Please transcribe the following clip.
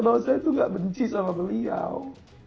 bahwa saya itu gak benci sama beliau